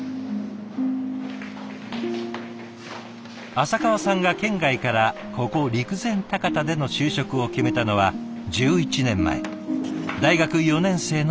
浅川さんが県外からここ陸前高田での就職を決めたのは１１年前大学４年生の時。